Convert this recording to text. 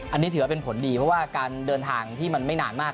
อันนี้ถือว่าเป็นผลดีเพราะว่าการเดินทางที่มันไม่นานมาก